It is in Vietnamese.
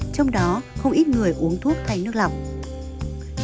trong đó không ít người uống thuốc hay nước lọc